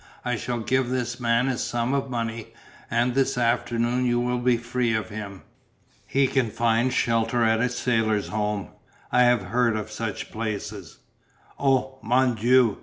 I shall give this man a sum of money, and this afternoon you will be free of him. He can find shelter at a sailors' home I have heard of such places." "Oh, Mon Dieu!